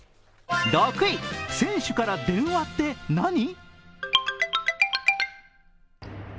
６位、選手から電話って何？